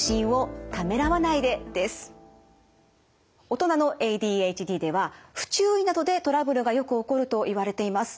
大人のＡＤＨＤでは不注意などでトラブルがよく起こるといわれています。